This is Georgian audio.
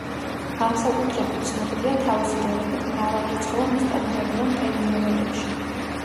განსაკუთრებით ცნობილია თავისი როლებით მრავალრიცხოვან ესპანურენოვან ტელენოველებში.